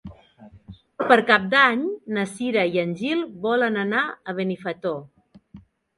Per Cap d'Any na Cira i en Gil volen anar a Benifato.